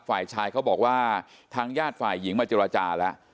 ฝ่ายชายเขาบอกว่าทางญาติฝ่ายหญิงมาเจรจาแล้ว